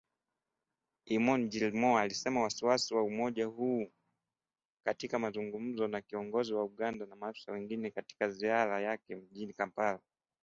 Eamon Gilmore alisema wasiwasi wa umoja huo katika mazungumzo na kiongozi wa Uganda na maafisa wengine wakati wa ziara yake mjini kampala.